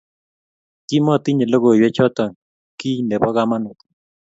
Kimatinyei logoywek choto kiy nebo kamanut